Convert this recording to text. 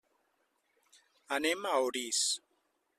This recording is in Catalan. Anem a Orís.